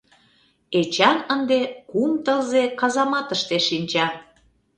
Эчан ынде кум тылзе казаматыште шинча.